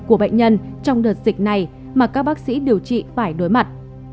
của bệnh nhân trong đợt dịch này mà các bác sĩ điều trị phải đối mặt